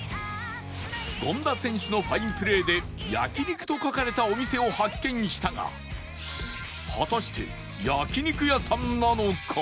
権田選手のファインプレーで「焼肉」と書かれたお店を発見したが果たして焼肉屋さんなのか？